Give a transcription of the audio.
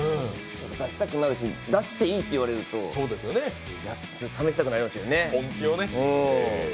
出したくなるし出していいって言われると試したくなりますよね。